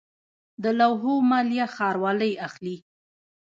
د لوحو مالیه ښاروالۍ اخلي